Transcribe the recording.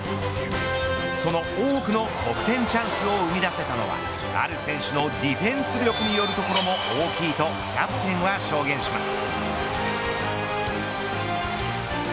その多くの得点チャンスを生み出せたのはある選手のディフェンス力によるところも大きいとキャプテンは証言します。